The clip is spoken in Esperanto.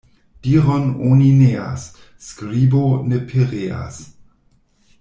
Diron oni neas, skribo ne pereas.